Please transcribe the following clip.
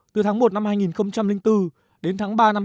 từ tháng một năm hai nghìn bốn đến tháng một mươi hai năm hai nghìn ba